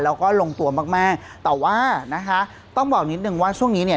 แล้วก็ลงตัวมากมากแต่ว่านะคะต้องบอกนิดนึงว่าช่วงนี้เนี่ย